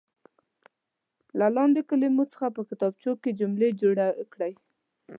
له لاندې کلمو څخه په کتابچو کې جملې جوړې کړئ.